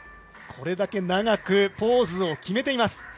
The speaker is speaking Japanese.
これだけ長くポーズを決めています。